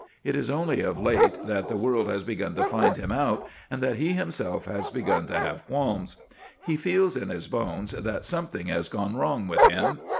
It is only of late that the world has begun to find him out and that he himself has begun to have qualms. He feels in his bones that something has gone wrong with him.